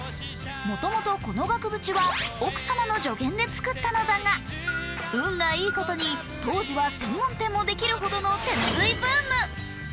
もともとこの額縁は、奥様の助言で作ったのだが運がいいことに、当時は専門店ができるほどの手拭いブーム。